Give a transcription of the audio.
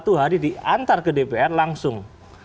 satu hari diantar ke dpr langsung